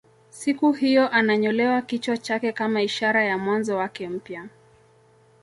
Siku hiyo ananyolewa kichwa chake kama ishara ya mwanzo wake mpya